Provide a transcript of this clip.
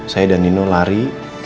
saya dan nino lari